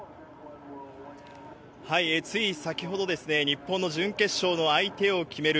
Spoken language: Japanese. つい先ほど、日本の準決勝の相手を決める